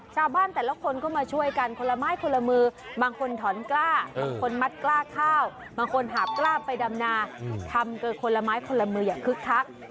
แต่ละคนก็มาช่วยกันคนละไม้คนละมือบางคนถอนกล้าบางคนมัดกล้าข้าวบางคนหาบกล้าไปดำนาทำเกินคนละไม้คนละมืออย่างคึกคัก